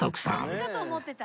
漢字かと思ってた。